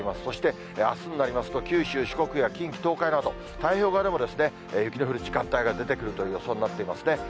そして、あすになりますと、九州、四国や近畿、東海など、太平洋側でも雪の降る時間帯が出てくるという予想になってますね。